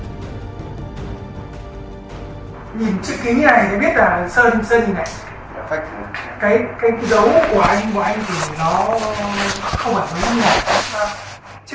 nhìn chữ ký này